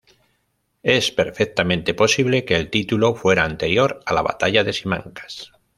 Es perfectamente posible que el título fuera anterior a la batalla de Simancas.